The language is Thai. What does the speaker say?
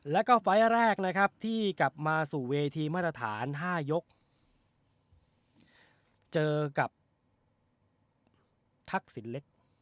และก็ไฟล์แรกที่กลับมาสู่เวทีมาตรฐาน๕ยกเจอกับทักศิลป์เล็ก